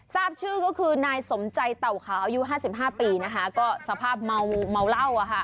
ทราบชื่อก็คือนายสมใจเต่าขาวอายุ๕๕ปีนะคะก็สภาพเมาเหล้า